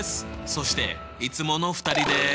そしていつもの２人です。